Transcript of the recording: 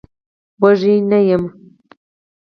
وږی نه يم.